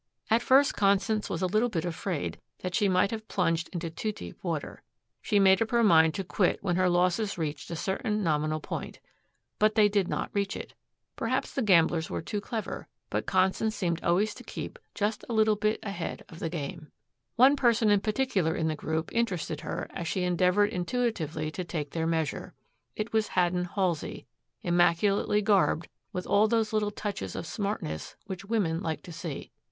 At first Constance was a little bit afraid that she might have plunged into too deep water. She made up her mind to quit when her losses reached a certain nominal point. But they did not reach it. Perhaps the gamblers were too clever. But Constance seemed always to keep just a little bit ahead of the game. One person in particular in the group interested her as she endeavored intuitively to take their measure. It was Haddon Halsey, immaculately garbed, with all those little touches of smartness which women like to see.